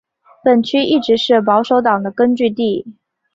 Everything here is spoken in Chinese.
本区一直是保守党的根据地。